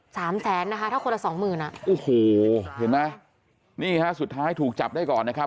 สามแสนนะคะถ้าคนละสองหมื่นอ่ะโอ้โหเห็นไหมนี่ฮะสุดท้ายถูกจับได้ก่อนนะครับ